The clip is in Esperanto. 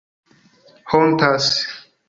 hontas